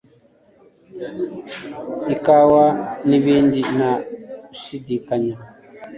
ikawa nibindi Nta gushidikanya